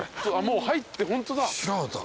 入ってホントだ。